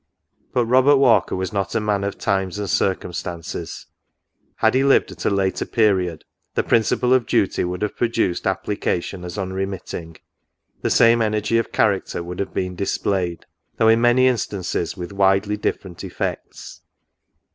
But Robert Walker was not a man of times and circumstances ; had he lived at a later period, the principle of duty would have produced application as unremitting; the same energy of character would have been displayed, though in many instances with widely different effects.